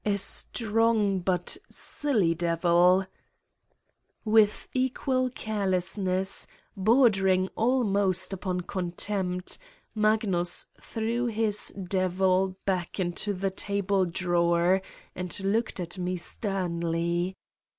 A strong but silly devil ! With equal carelessness, bordering almost upon contempt, Magnus threw his devil back into the table drawer and looked at me sternly.